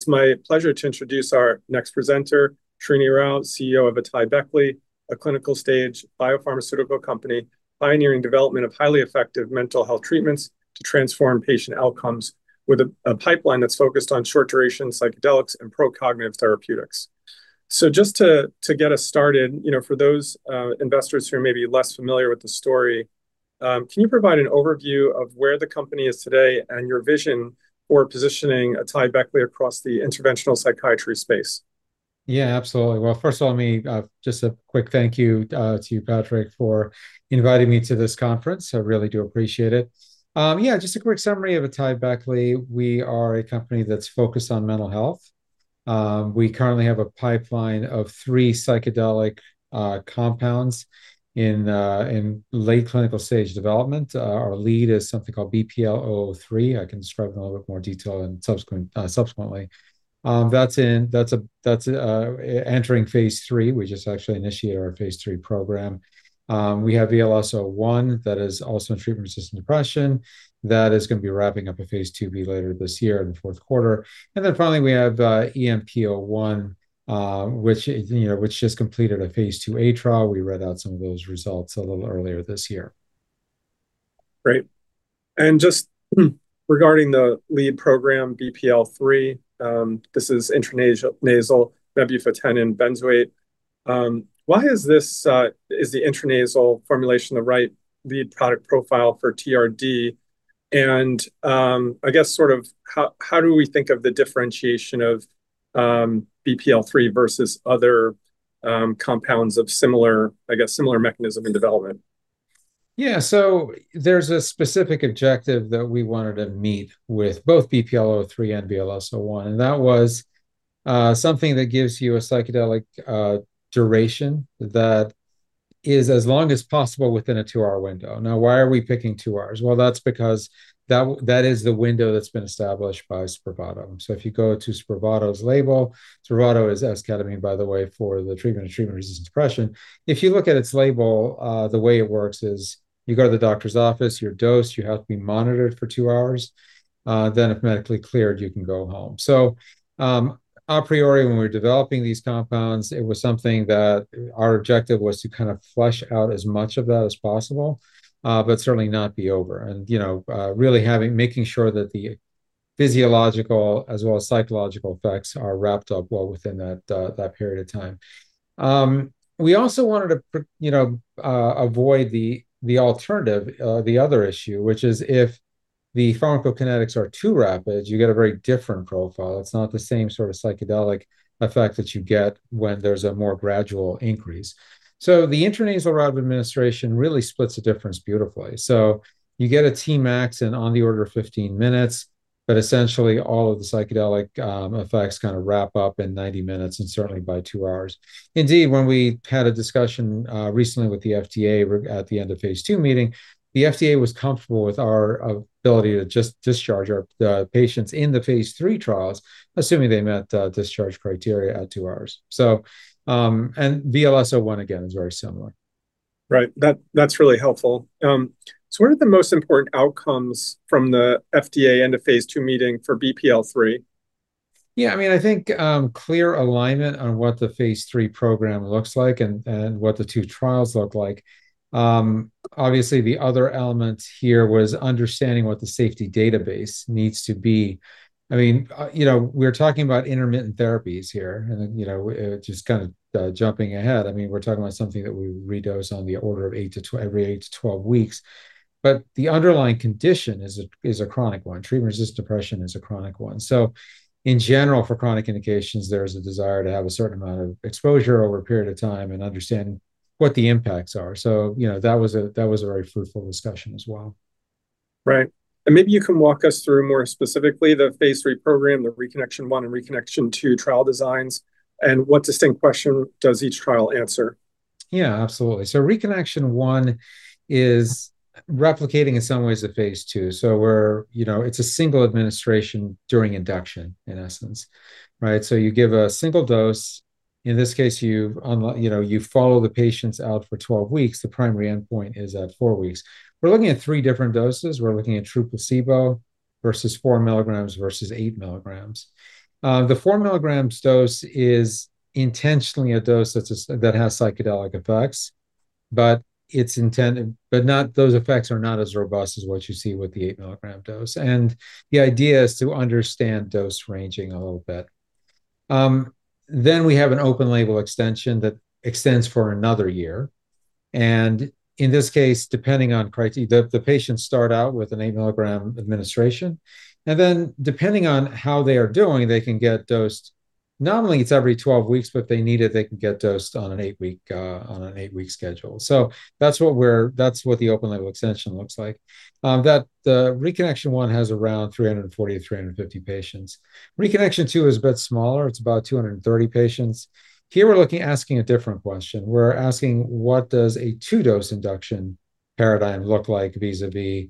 It's my pleasure to introduce our next presenter, Srinivas Rao, CEO of AtaiBeckley, a clinical stage biopharmaceutical company pioneering development of highly effective mental health treatments to transform patient outcomes with a pipeline that's focused on short-duration psychedelics and pro-cognitive therapeutics. Just to get us started, for those investors who are maybe less familiar with the story, can you provide an overview of where the company is today and your vision for positioning AtaiBeckley across the interventional psychiatry space? Yeah, absolutely. Well, first of all, just a quick thank you to you, Patrick, for inviting me to this conference. I really do appreciate it. Yeah, just a quick summary of AtaiBeckley. We are a company that's focused on mental health. We currently have a pipeline of three psychedelic compounds in late clinical-stage development. Our lead is something called BPL-003. I can describe it in a little bit more detail subsequently. That's entering phase III. We just actually initiated our phase III program. We have VLS-01 that is also in treatment-resistant depression. That is going to be wrapping up a phase II-B later this year in the fourth quarter. Finally, we have EMP-01, which just completed a phase II-A trial. We read out some of those results a little earlier this year. Great. Just regarding the lead program, BPL-003, this is intranasal mebufotenin benzoate. Why is the intranasal formulation the right lead product profile for TRD? How do we think of the differentiation of BPL-003 versus other compounds of a similar mechanism and development? Yeah. There's a specific objective that we wanted to meet with both BPL-003 and VLS-01, that was something that gives you a psychedelic duration that is as long as possible within a two-hour window. Now, why are we picking two hours? Well, that's because that is the window that's been established by SPRAVATO. If you go to SPRAVATO's label, SPRAVATO is esketamine, by the way, for the treatment of treatment-resistant depression. If you look at its label, the way it works is you go to the doctor's office, you're dosed, you have to be monitored for two hours, if medically cleared, you can go home. A priori, when we were developing these compounds, it was something that our objective was to kind of flush out as much of that as possible. Certainly not be over and really making sure that the physiological as well as psychological effects are wrapped up well within that period of time. We also wanted to avoid the alternative. The other issue, which is if the pharmacokinetics are too rapid, you get a very different profile. It's not the same sort of psychedelic effect that you get when there's a more gradual increase. The intranasal route of administration really splits the difference beautifully. You get a Tmax in on the order of 15 minutes, but essentially all of the psychedelic effects kind of wrap up in 90 minutes, and certainly by two hours. Indeed, when we had a discussion recently with the FDA at the end of phase II meeting, the FDA was comfortable with our ability to just discharge our patients in the phase III trials, assuming they met discharge criteria at two hours. VLS-01 again is very similar. Right. That's really helpful. What are the most important outcomes from the FDA end-of-phase II meeting for BPL-003? Yeah, I think clear alignment on what the phase III program looks like and what the two trials look like. Obviously, the other element here was understanding what the safety database needs to be. We're talking about intermittent therapies here, and just kind of jumping ahead, we're talking about something that we redose on the order of every 8-12 weeks. The underlying condition is a chronic one. Treatment-resistant depression is a chronic one. In general, for chronic indications, there is a desire to have a certain amount of exposure over a period of time and understand what the impacts are. That was a very fruitful discussion as well. Right. Maybe you can walk us through more specifically the phase III program, the ReConnection-1 and ReConnection-2 trial designs, and what distinct question does each trial answers? Yeah, absolutely. ReConnection-1 is replicating in some ways the phase II. It's a single administration during induction, in essence. You give a single dose. In this case, you follow the patients out for 12 weeks. The primary endpoint is at four weeks. We're looking at three different doses. We're looking at true placebo versus 4 mg versus 8 mg. The 4 mg dose is intentionally a dose that has psychedelic effects, but those effects are not as robust as what you see with the 8 mg dose. The idea is to understand dose ranging a little bit. We have an open-label extension that extends for another year, and in this case, the patients start out with an 8 mg administration, and then, depending on how they are doing, they can get dosed. Not only it's every 12 weeks, but if they need it, they can get dosed on an eight-week schedule. That's what the open-label extension looks like. The ReConnection-1 has around 340-350 patients. ReConnection-2 is a bit smaller. It's about 230 patients. Here we're asking a different question. We're asking what does a two-dose induction paradigm look like vis-à-vis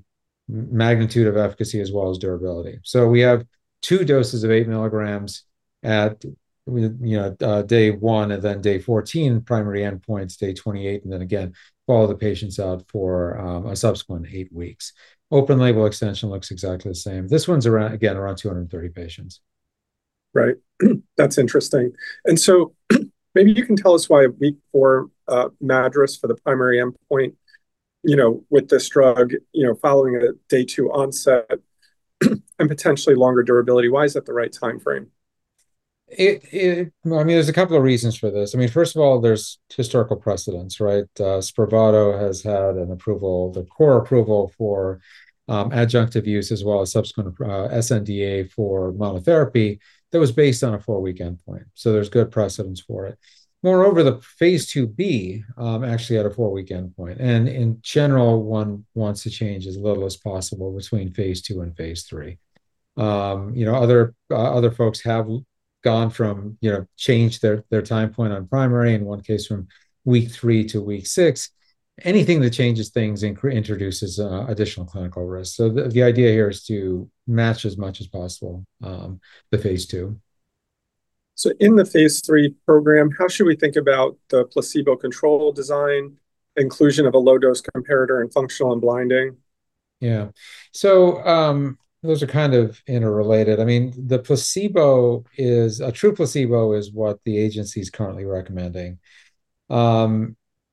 magnitude of efficacy as well as durability? We have two doses of8 mg at day one and then day 14. Primary endpoint's day 28, and then again, follow the patients out for a subsequent eight weeks. Open-label extension looks exactly the same. This one's, again, around 230 patients. Right. That's interesting. Maybe you can tell us why a week four MADRS for the primary endpoint, with this drug, following a day two onset and potentially longer durability. Why is that the right timeframe? There's a couple of reasons for this. First of all, there's historical precedence, right? SPRAVATO has had an approval, the core approval for adjunctive use as well as subsequent sNDA for monotherapy that was based on a four-week endpoint, so there's good precedence for it. Moreover, the phase II-B actually had a four-week endpoint, and in general, one wants to change as little as possible between phase II and phase III. Other folks have gone from change their time point primarily in one case from week three to week six. Anything that changes things introduces additional clinical risk. The idea here is to match as much as possible the phase II. In the phase III program, how should we think about the placebo control design, inclusion of a low-dose comparator, and functional unblinding? Those are kind of interrelated. A true placebo is what the agency's currently recommending.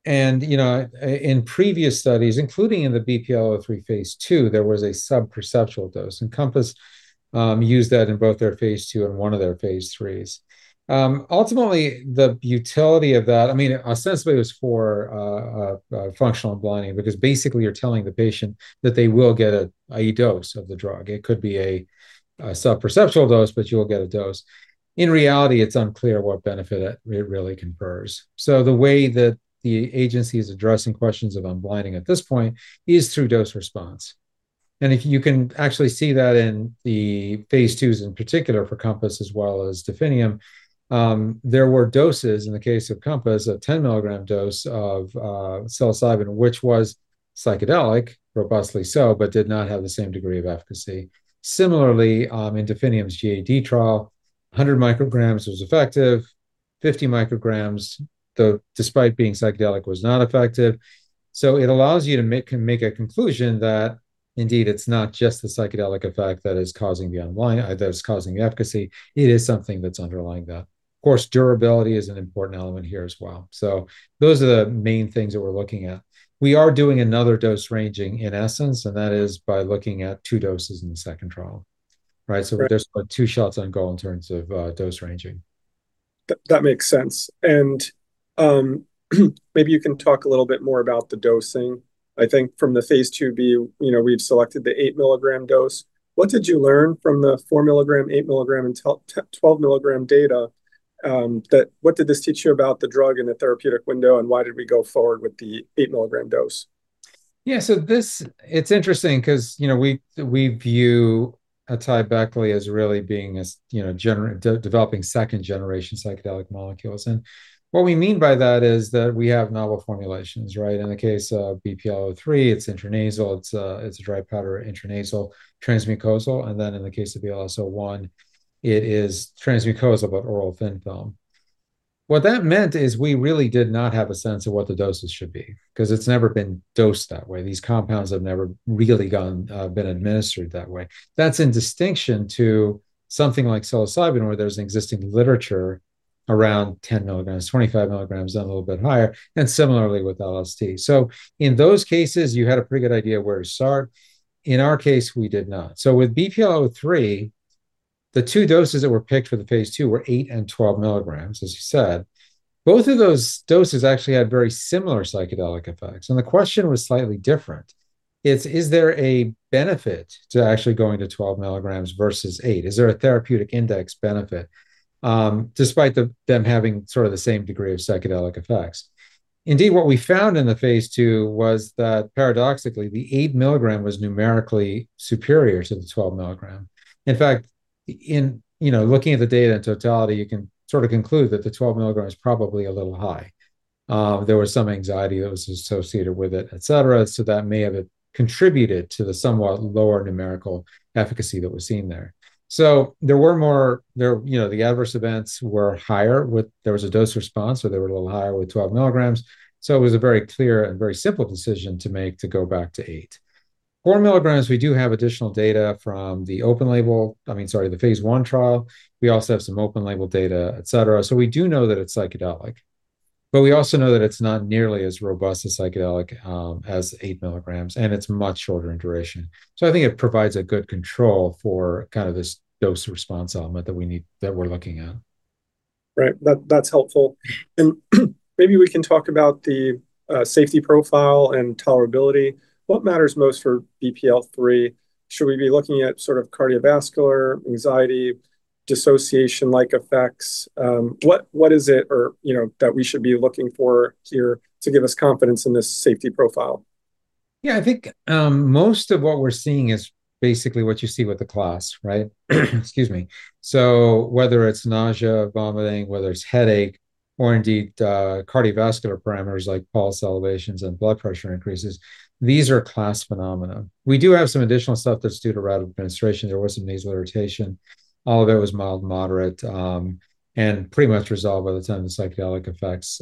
In previous studies, including in the BPL-003 phase II, there was a sub-perceptual dose. Compass used that in both their phase II and one of their phase IIIs. Ultimately, the utility of that, ostensibly, it was for functional unblinding because basically you're telling the patient that they will get a dose of the drug. It could be a sub-perceptual dose, but you will get a dose. In reality, it's unclear what benefit it really confers. The way that the agency is addressing questions of unblinding at this point is through dose response. You can actually see that in the phase IIs, in particular for Compass as well as Definium. There were doses in the case of Compass, a 10 mg dose of psilocybin, which was psychedelic, robustly so, but did not have the same degree of efficacy. Similarly, in Definium's GAD trial, 100 µg was effective. 50 µg, despite being psychedelic, was not effective. It allows you to make a conclusion that indeed it's not just the psychedelic effect that is causing the efficacy. It is something that's underlying that. Of course, durability is an important element here as well. Those are the main things that we're looking at. We are doing another dose ranging in essence, and that is by looking at two doses in the second trial, right? There's two shots on goal in terms of dose ranging. That makes sense. Maybe you can talk a little bit more about the dosing. I think from the phase II-B, we've selected the 8 mg dose. What did you learn from the 4 mg, 8 mg, and 12 mg data? What did this teach you about the drug and the therapeutic window, and why did we go forward with the 8 mg dose? Yeah. It's interesting because we view AtaiBeckley as really being as developing second-generation psychedelic molecules. What we mean by that is that we have novel formulations, right? In the case of BPL-003, it's intranasal. It's a dry powder intranasal transmucosal. Then, in the case of VLS-01, it is a transmucosal but oral thin film. What that meant is we really did not have a sense of what the doses should be because it's never been dosed that way. These compounds have never really been administered that way. That's in distinction to something like psilocybin, where there's an existing literature around 10 mg, 25 mg, and a little bit higher, and similarly with LSD. In those cases, you had a pretty good idea where to start. In our case, we did not. With BPL-003, the two doses that were picked for the phase II were 8 mg and 12 mg, as you said. Both of those doses actually had very similar psychedelic effects, and the question was slightly different. It's is there a benefit to actually going to 12 mg versus 8 mg? Is there a therapeutic index benefit, despite them having sort of the same degree of psychedelic effects? Indeed, what we found in the phase II was that, paradoxically, the 8 mg was numerically superior to the 12 mg. In fact, looking at the data in totality, you can sort of conclude that the 12 mg is probably a little high. There was some anxiety that was associated with it, et cetera, so that may have contributed to the somewhat lower numerical efficacy that was seen there. The adverse events were higher. There was a dose response, so they were a little higher with 12 mg, so it was a very clear and very simple decision to make to go back to 8 mg. 4 mg, we do have additional data from the phase I trial. We also have some open-label data, et cetera. We do know that it's psychedelic. We also know that it's not nearly as robust a psychedelic as 8 mg, and it's much shorter in duration. I think it provides a good control for this dose response element that we're looking at. Right. That's helpful. Maybe we can talk about the safety profile and tolerability. What matters most for BPL-003? Should we be looking at sort of cardiovascular anxiety, dissociation-like effects? What is it that we should be looking for here to give us confidence in this safety profile? Yeah. I think most of what we're seeing is basically what you see with the class, right? Excuse me. Whether it's nausea, vomiting, whether it's headache, or indeed cardiovascular parameters like pulse elevations and blood pressure increases, these are class phenomena. We do have some additional stuff that's due to route of administration. There was some nasal irritation. All of it was mild, moderate, and pretty much resolved by the time the psychedelic effects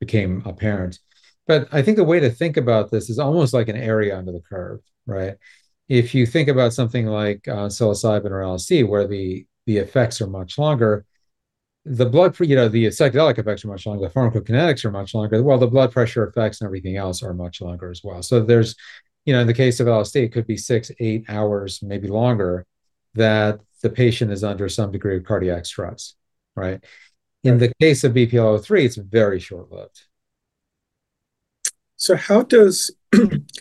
became apparent. I think the way to think about this is almost like an area under the curve, right? If you think about something like psilocybin or LSD, where the effects are much longer. The psychedelic effects are much longer. The pharmacokinetics are much longer. Well, the blood pressure effects and everything else are much longer as well. In the case of LSD, it could be six, eight hours, maybe longer, that the patient is under some degree of cardiac stress. Right? In the case of BPL-003, it's very short-lived. How does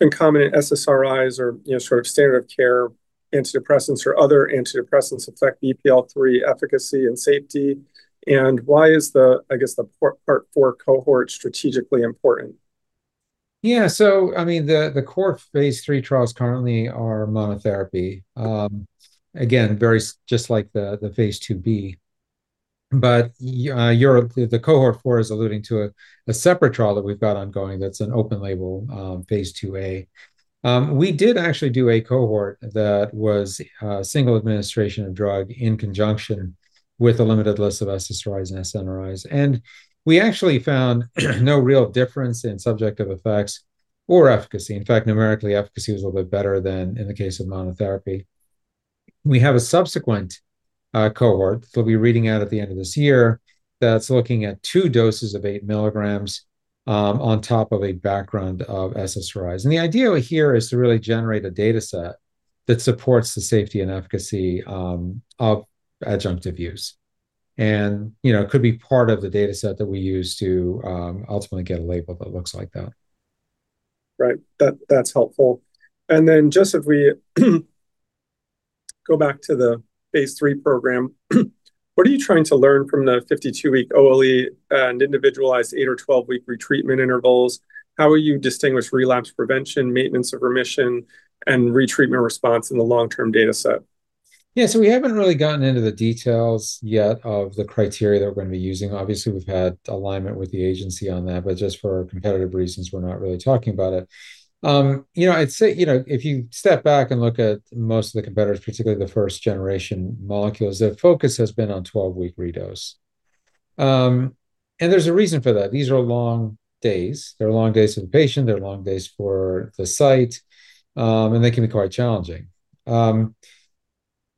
concomitant SSRIs or standard of care antidepressants or other antidepressants affect BPL-003 efficacy and safety? Why is the, I guess, the part four cohort strategically important? The core phase III trials currently are monotherapy. Again, just like the phase II-B. The cohort four is alluding to a separate trial that we've got ongoing that's an open-label, phase II-A. We did actually do a cohort that was a single administration of a drug in conjunction with a limited list of SSRIs and SNRIs. We actually found no real difference in subjective effects or efficacy. In fact, numerically, efficacy was a little bit better than in the case of monotherapy. We have a subsequent cohort that we'll be reading out at the end of this year that's looking at two doses of 8 mg on top of a background of SSRIs. The idea here is to really generate a data set that supports the safety and efficacy of adjunctive use. It could be part of the data set that we use to ultimately get a label that looks like that. Right. That's helpful. Then just if we go back to the phase III program, what are you trying to learn from the 52-week OLE and individualized eight or 12-week retreatment intervals? How will you distinguish relapse prevention, maintenance of remission, and retreatment response in the long-term data set? Yeah. We haven't really gotten into the details yet of the criteria that we're going to be using. Obviously, we've had alignment with the agency on that, but just for competitive reasons, we're not really talking about it. I'd say if you step back and look at most of the competitors, particularly the first-generation molecules, the focus has been on 12-week redose. There's a reason for that. These are long days. They're long days for the patient, they're long days for the site, and they can be quite challenging.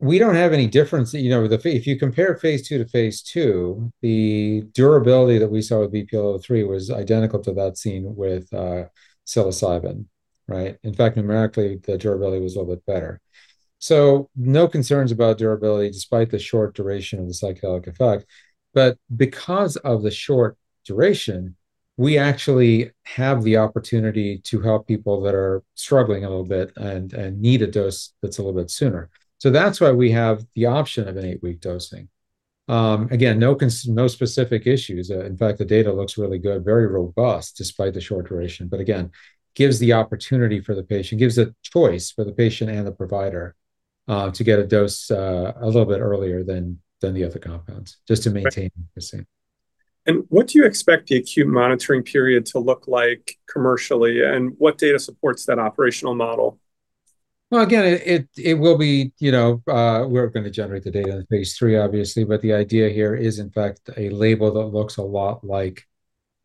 We don't have any difference. If you compare phase II to phase II, the durability that we saw with BPL-003 was identical to that seen with psilocybin. Right. In fact, numerically, the durability was a little bit better. No concerns about durability despite the short duration of the psychedelic effect. Because of the short duration, we actually have the opportunity to help people that are struggling a little bit and need a dose that's a little bit sooner. That's why we have the option of an eight-week dosing. Again, no specific issues. In fact, the data looks really good, very robust despite the short duration. Again, gives the opportunity for the patient, gives a choice for the patient and the provider, to get a dose a little bit earlier than the other compounds, just to maintain the same. What do you expect the acute monitoring period to look like commercially, and what data supports that operational model? Well, again, we're going to generate the data in phase III, obviously. The idea here is, in fact, a label that looks a lot like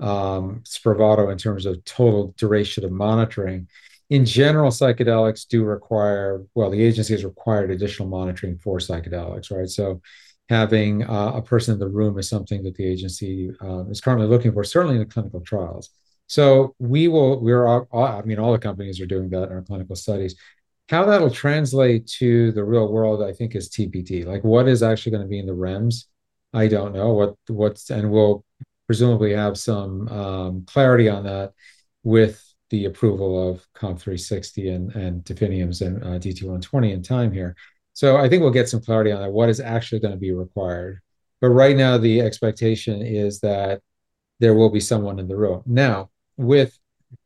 SPRAVATO in terms of total duration of monitoring. In general, psychedelics do require. Well, the agency has required additional monitoring for psychedelics, right? Having a person in the room is something that the agency is currently looking for, certainly in the clinical trials. How that'll translate to the real world, I think, is TBD. What is actually going to be in the REMS? I don't know. We'll presumably have some clarity on that with the approval of COMP360 and Definium's DT120 in time here. I think we'll get some clarity on what is actually going to be required. Right now, the expectation is that there will be someone in the room. With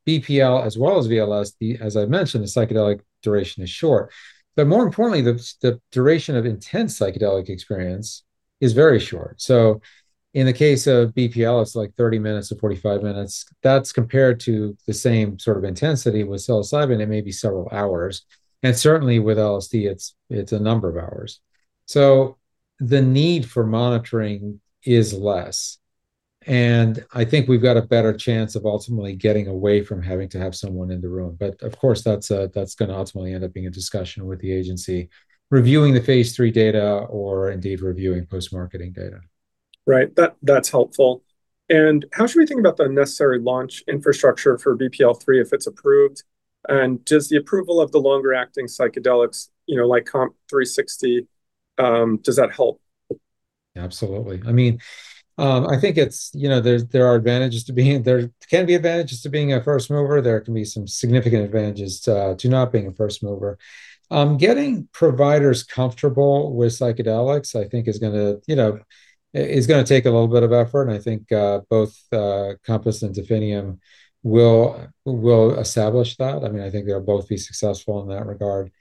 BPL as well as VLS-01, as I mentioned, the psychedelic duration is short. More importantly, the duration of an intense psychedelic experience is very short. In the case of BPL, it's like 30 minutes to 45 minutes. That's compared to the same sort of intensity with psilocybin, it may be several hours. Certainly, with LSD, it's a number of hours. The need for monitoring is less, and I think we've got a better chance of ultimately getting away from having to have someone in the room. Of course, that's going to ultimately end up being a discussion with the agency reviewing the phase III data or indeed reviewing post-marketing data. Right. That's helpful. How should we think about the necessary launch infrastructure for BPL-003 if it's approved? Does the approval of the longer-acting psychedelics, like COMP360, does that help? Absolutely. There can be advantages to being a first mover. There can be some significant advantages to not being a first mover. Getting providers comfortable with psychedelics, I think is going to take a little bit of effort, and I think both Compass and Definium will establish that. I think they'll both be successful in that regard.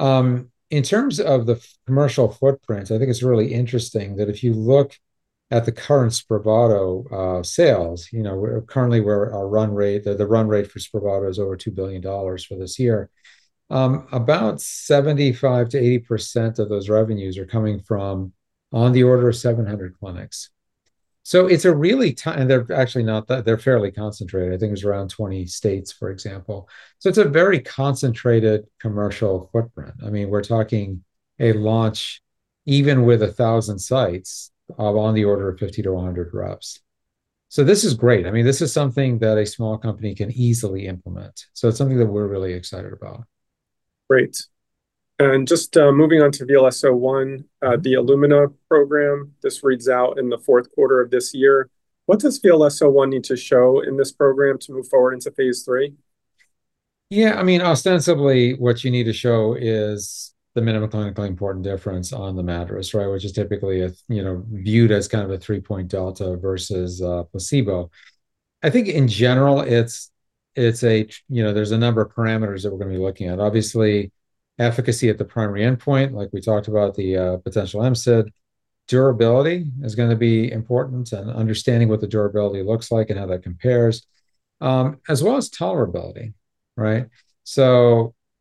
In terms of the commercial footprint, I think it's really interesting that if you look at the current SPRAVATO sales, currently the run rate for SPRAVATO is over $2 billion for this year. About 75%-80% of those revenues are coming from on the order of 700 clinics. They're fairly concentrated. I think it's around 20 states, for example. It's a very concentrated commercial footprint. We're talking a launch, even with 1,000 sites, on the order of 50 to 100 reps. This is great. This is something that a small company can easily implement. It's something that we're really excited about. Great. Just moving on to VLS-01, the Elumina program. This reads out in the fourth quarter of this year. What does VLS-01 need to show in this program to move forward into phase III? Yeah. Ostensibly, what you need to show is the minimal clinically important difference on the MADRS right? Which is typically viewed as kind of a three-point delta versus a placebo. I think in general, there's a number of parameters that we're going to be looking at. Obviously, efficacy at the primary endpoint, like we talked about, the potential MCID. Durability is going to be important and understanding what the durability looks like and how that compares. As well as tolerability, right?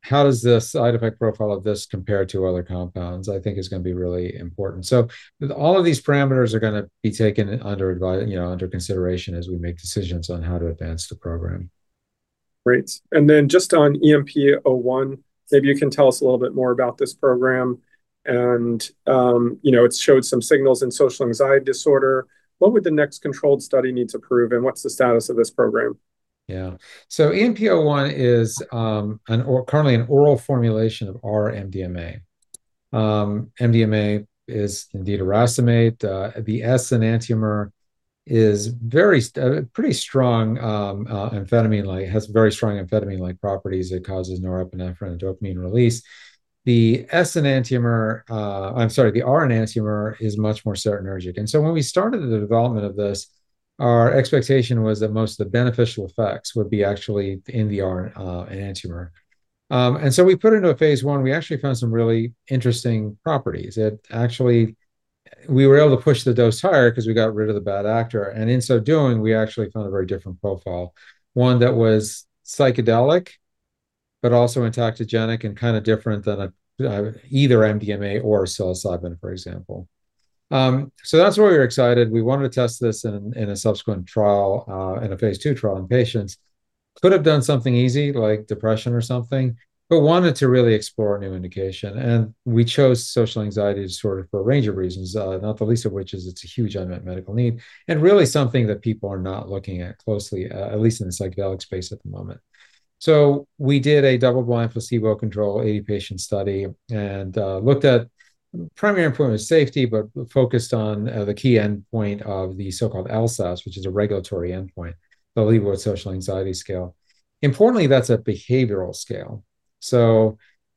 How does the side effect profile of this compare to other compounds, I think is going to be really important. All of these parameters are going to be taken under consideration as we make decisions on how to advance the program. Great. Then just on EMP-01, maybe you can tell us a little bit more about this program. It's showed some signals in social anxiety disorder. What would the next controlled study need to prove, and what's the status of this program? Yeah. EMP-01 is currently an oral formulation of R-MDMA. MDMA is indeed a racemate. The S-enantiomer has very strong amphetamine-like properties that causes norepinephrine and dopamine release. The R-enantiomer is much more serotonergic. When we started the development of this, our expectation was that most of the beneficial effects would be actually in the R-enantiomer. We put it into a phase I. We actually found some really interesting properties. We were able to push the dose higher because we got rid of the bad actor, and in so doing, we actually found a very different profile, one that was psychedelic, but also entactogenic and kind of different than either MDMA or psilocybin, for example. That's why we were excited. We wanted to test this in a subsequent trial, in a phase II trial in patients. Could have done something easy, like depression or something, but wanted to really explore a new indication. We chose social anxiety disorder for a range of reasons, not the least of which is it's a huge unmet medical need, really something that people are not looking at closely, at least in the psychedelic space at the moment. We did a double-blind, placebo-controlled, 80-patient study and looked at primary improvement of safety, focused on the key endpoint of the so-called LSAS, which is a regulatory endpoint, the Liebowitz Social Anxiety Scale. Importantly, that's a behavioral scale.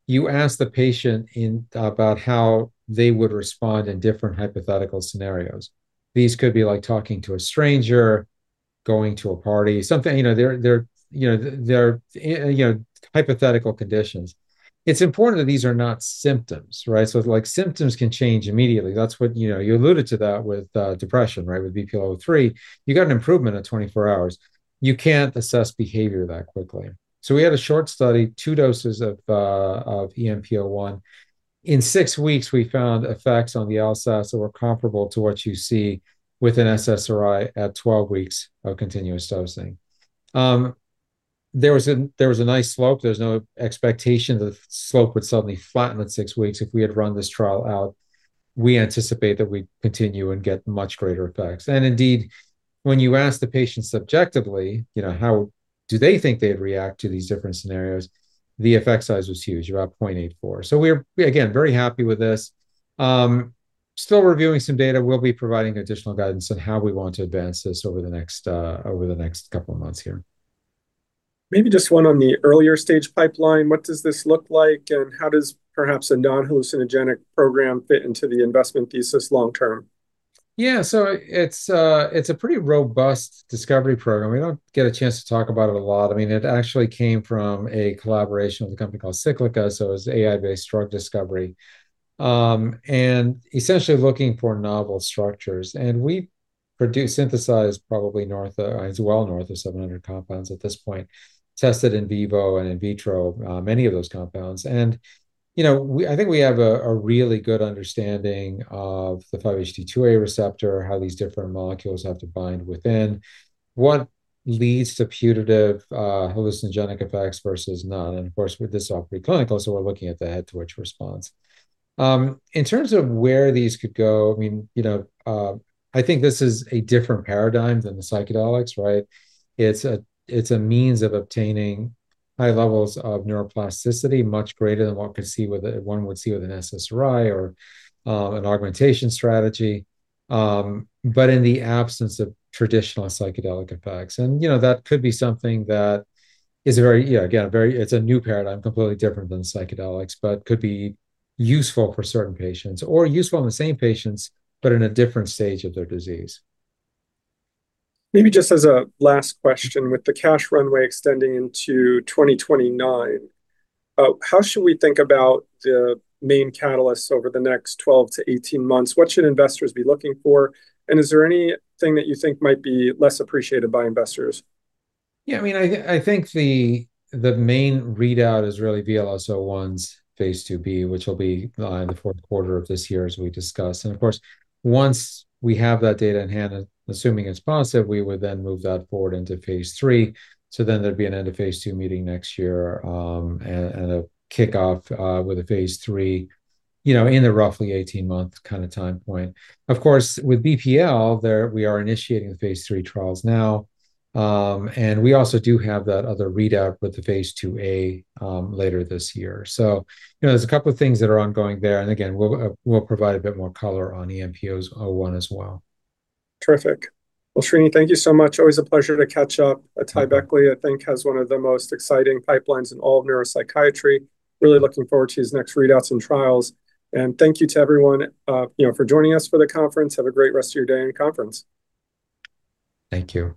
You ask the patient about how they would respond in different hypothetical scenarios. These could be like talking to a stranger, going to a party. They're hypothetical conditions. It's important that these are not symptoms, right? Symptoms can change immediately. You alluded to that with depression, right? With BPL-003, you got an improvement at 24 hours. You can't assess behavior that quickly. We had a short study, two doses of EMP-01. In six weeks, we found effects on the LSAS that were comparable to what you see with an SSRI at 12 weeks of continuous dosing. There was a nice slope. There's no expectation the slope would suddenly flatten at six weeks if we had run this trial out. We anticipate that we'd continue and get much greater effects. Indeed, when you ask the patient subjectively how do they think they'd react to these different scenarios, the effect size was huge, about 0.84. We are, again, very happy with this. Still reviewing some data. We'll be providing additional guidance on how we want to advance this over the next couple of months here. Maybe just one on the earlier stage pipeline. What does this look like, and how does perhaps a non-hallucinogenic program fit into the investment thesis long term? Yeah. It's a pretty robust discovery program. We don't get a chance to talk about it a lot. It actually came from a collaboration with a company called Cyclica, it was AI-based drug discovery. Essentially, looking for novel structures. We've synthesized probably well north of 700 compounds at this point, tested in vivo and in vitro, many of those compounds. I think we have a really good understanding of the 5-HT2AR receptor, how these different molecules have to bind within, what leads to putative hallucinogenic effects versus none. Of course, with this all pre-clinical, we're looking at the head twitch response. In terms of where these could go, I think this is a different paradigm than the psychedelics, right? It's a means of obtaining high levels of neuroplasticity, much greater than one would see with an SSRI or an augmentation strategy. In the absence of traditional psychedelic effects. That could be something that is a new paradigm, completely different than psychedelics, but could be useful for certain patients, or useful in the same patients, but in a different stage of their disease. Maybe just as a last question, with the cash runway extending into 2029, how should we think about the main catalysts over the next 12-18 months? What should investors be looking for, and is there anything that you think might be less appreciated by investors? Yeah. I think the main readout is really VLS-01's phase II-B, which will be in the fourth quarter of this year, as we discussed. Of course, once we have that data in hand, assuming it's positive, we would then move that forward into phase III. There'd be an end of phase II meeting next year, and a kickoff with a phase III in the roughly 18-month kind of time point. Of course, with BPL, we are initiating the phase III trials now. We also do have that other readout with the phase II-A later this year. There's a couple of things that are ongoing there. Again, we'll provide a bit more color on EMP-01 as well. Terrific. Well, Srini, thank you so much. Always a pleasure to catch up. AtaiBeckley, I think, has one of the most exciting pipelines in all of neuropsychiatry. Really looking forward to these next readouts and trials. Thank you to everyone for joining us for the conference. Have a great rest of your day and conference. Thank you.